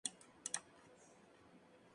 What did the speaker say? Enlaza con el Metropolitano de Granada.